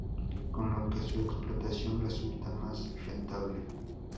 Con lo que su explotación resulta más rentable.